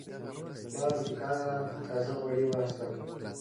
ما له دوکانه تازه غوړي واخیستل.